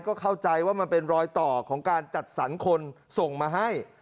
ก็เข้าใจว่ามันเป็นรอยต่อของการจัดสรรคนส่งมาให้